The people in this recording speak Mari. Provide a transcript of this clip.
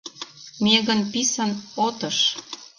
Ме гын писын — отыш.